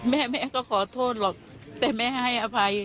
แม่แม่ก็ขอโทษหรอกแต่แม่ให้อภัย